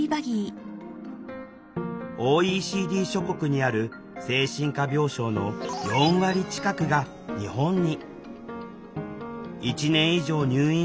ＯＥＣＤ諸国にある精神科病床の４割近くが日本に。